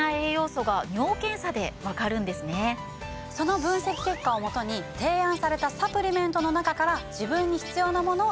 その分析結果をもとに提案されたサプリメントの中から自分に必要なものを選択。